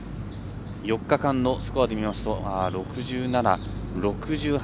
４日間のスコアで見ますと６７、６８。